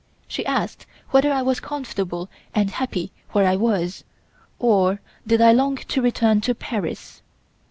She asked whether I was comfortable and happy where I was or did I long to return to Paris.